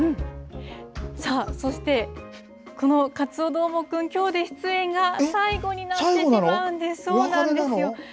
さあそしてこのカツオどーもくんきょうで出演が最後になってしまうんです。